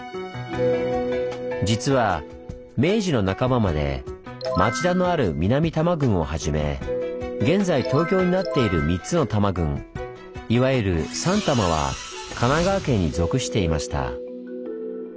実は明治の半ばまで町田のある南多摩郡をはじめ現在東京になっている３つの多摩郡いわゆる「三多摩」は神奈川県に属していました。